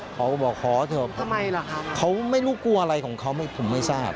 เขาก็บอกขอเถอะเขาไม่รู้กลัวอะไรของเขาผมไม่ทราบ